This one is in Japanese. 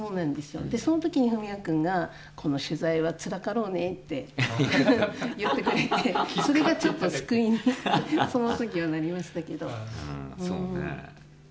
その時にフミヤ君がこの取材はつらかろうねって言ってくれてそれが、ちょっと救いにその時はなりましたけど。